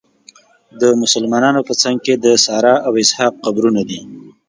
د مسلمانانو په څنګ کې د ساره او اسحاق قبرونه دي.